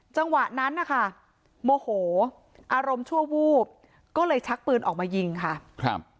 จังหวะนั้นนะคะโมโหอารมณ์ชั่ววูบก็เลยชักปืนออกมายิงค่ะครับ